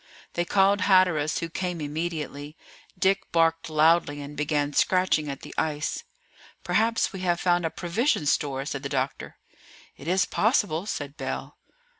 They called Hatteras, who came immediately. Dick barked loudly, and began scratching at the ice. "Perhaps we have found a provision store," said the doctor. "It is possible," said Bell.